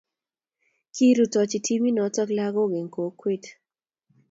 kirutechi timinoto lakok eng kokwet